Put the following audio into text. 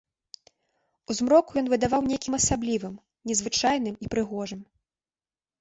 У змроку ён выдаваў нейкім асаблівым, незвычайным і прыгожым.